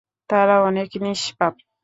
তারা অনেক নিষ্পাপ।